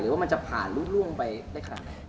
ว่ามันจะผ่านล่วงไปได้ขนาดไหน